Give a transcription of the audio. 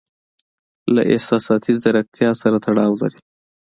له احساساتي زیرکتیا سره تړاو لري.